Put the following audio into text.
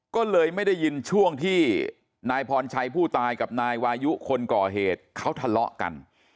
ก็เลยไม่ได้ยินช่วงที่นายพรชัยผู้ตายกับนายวายุคนก่อเหตุเขาทะเลาะกัน